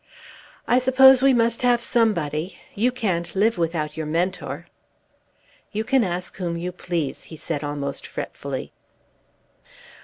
"I suppose we must have somebody. You can't live without your Mentor." "You can ask whom you please," he said almost fretfully.